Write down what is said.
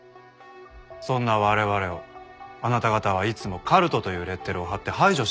そんな我々をあなた方はいつもカルトというレッテルを貼って排除しようとする。